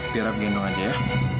biar aku gendong aja ya